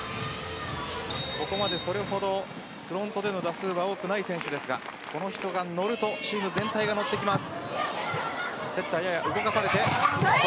ここまでそれほどフロントでの打数は多くない選手ですがこの人が乗るとチーム全体が乗ってきます。